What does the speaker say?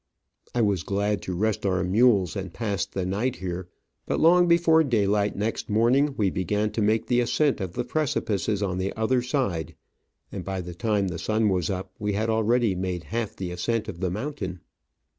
I was glad to rest our mules and pass the night here ; but long before daylight next morning we began to make the ascent of the precipices on the other side, and by the time the sun was up we had already made half the ascent of the mountain.